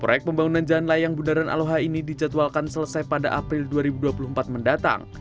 proyek pembangunan jalan layang bundaran aloha ini dijadwalkan selesai pada april dua ribu dua puluh empat mendatang